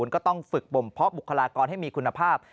ก็ต้องฝึกบ่มเพาะบุคลากรให้มีคุณภาพ